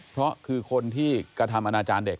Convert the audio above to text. เพราะคือคนที่กระทำอนาจารย์เด็ก